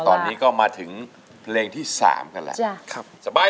ตอนนี้ก็มาถึงเพลงที่๓กันแล้ว